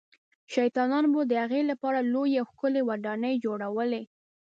شیطانان به یې د هغه لپاره لویې او ښکلې ودانۍ جوړولې.